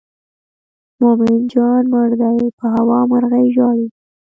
مومن جان مړ دی په هوا مرغۍ ژاړي.